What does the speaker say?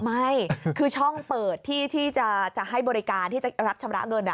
ไม่คือช่องเปิดที่จะให้บริการที่จะรับชำระเงิน